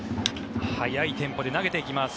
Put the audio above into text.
早いテンポで投げていきます。